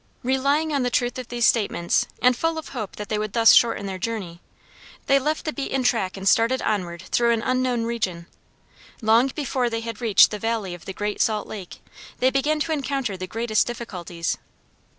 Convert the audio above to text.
Relying on the truth of these statements, and full of hope that they would thus shorten their journey, they left the beaten track and started onward through an unknown region. Long before they had reached the valley of the Great Salt Lake, they began to encounter the greatest difficulties.